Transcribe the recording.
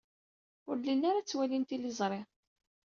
Ur llin ara ttwalin tiliẓri.